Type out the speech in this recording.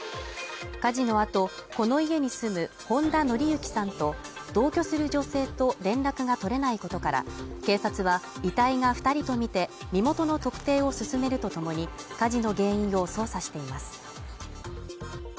火事の後、この家に住む本田則行さんと同居する女性と連絡が取れないことから、警察は遺体が２人とみて身元の特定を進めるとともに、火事の原因を捜査しています。